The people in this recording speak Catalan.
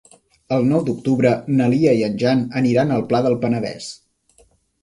El nou d'octubre na Lia i en Jan aniran al Pla del Penedès.